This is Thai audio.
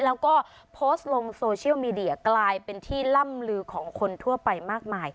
แล้วก็โพสต์ลงโซเชียลมีเดียกลายเป็นที่ล่ำลือของคนทั่วไปมากมาย